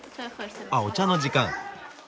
あお茶の時間。